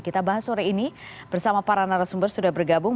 kita bahas sore ini bersama para narasumber sudah bergabung